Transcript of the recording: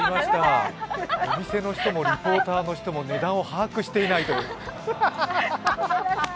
お店の人もリポーターの人も値段を把握していないという。